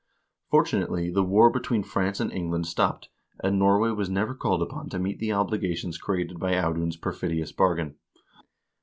Fortunately the war between France and England stopped, and Nor way was never called upon to meet the obligations created by Audun's perfidious bargain.